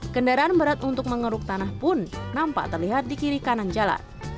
kendaraan berat untuk mengeruk tanah pun nampak terlihat di kiri kanan jalan